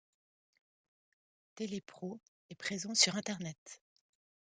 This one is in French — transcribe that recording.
Télépro est présent sur Internet.